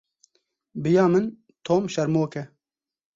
Bi ya min Tom şermok e.